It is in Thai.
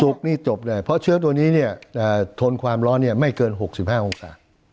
สุกนี่จบได้เพราะเชื้อตัวนี้เนี่ยทนความร้อนเนี่ยไม่เกินหกสิบห้าองศา